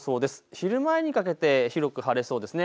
昼前にかけて広く晴れそうですね。